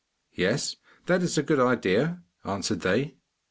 'Yes, that is a good idea,' answered they.